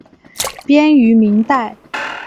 编于明代。